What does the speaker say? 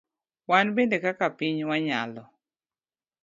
Wan bende kaka piny wanyalo.